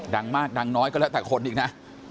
ดังมากดังน้อยก็แล้วแต่คนอีกนะ